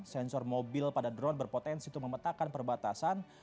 sensor mobil pada drone berpotensi untuk memetakan perbatasan